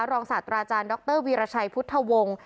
รองศาสตราอาจารย์ดรวีรชัยพุทธวง